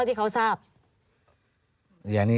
มีใครต้องจ่ายค่าคุมครองกันทุกเดือนไหม